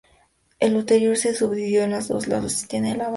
La Ulterior se subdividió en dos, la Lusitania y la Baetica.